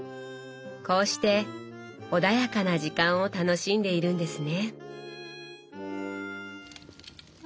こうして穏やかな時間を楽しんでいるんですね。